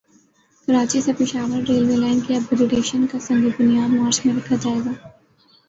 کراچی سے Peshawar railway line کی upgradation کا سنگ بنیاد مارچ میں رکھا جائے گا